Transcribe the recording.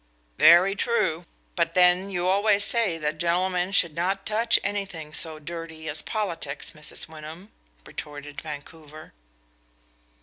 "Very true. But then, you always say that gentlemen should not touch anything so dirty as politics, Mrs. Wyndham," retorted Vancouver.